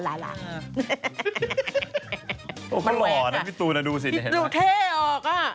มันแหวนค่ะพี่ตูนดูสิดูเท่ออก